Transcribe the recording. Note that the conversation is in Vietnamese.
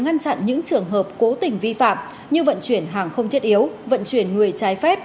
ngăn chặn những trường hợp cố tình vi phạm như vận chuyển hàng không thiết yếu vận chuyển người trái phép